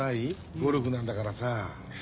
ゴルフなんだからさ。